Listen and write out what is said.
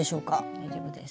大丈夫です。